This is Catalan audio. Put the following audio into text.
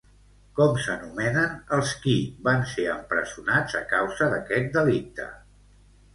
Com s'anomenen els qui van ser empresonats a causa d'aquest delicte?